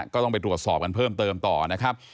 ก็ต้องไปตรวจสอบกันเพิ่มเติมต่อนะครับ